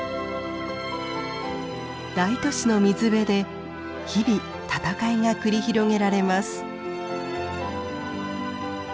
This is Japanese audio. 大都市の水辺で日々戦いが繰り広げられます。